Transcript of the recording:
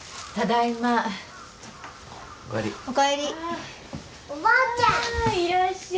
いらっしゃい智也。